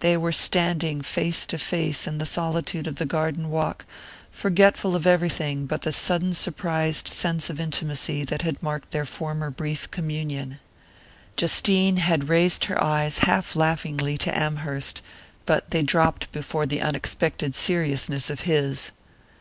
They were standing face to face in the solitude of the garden walk, forgetful of everything but the sudden surprised sense of intimacy that had marked their former brief communion. Justine had raised her eyes half laughingly to Amherst, but they dropped before the unexpected seriousness of his.